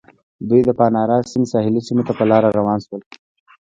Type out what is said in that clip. دوی د پانارا سیند ساحلي سیمو ته په لاره روان شول.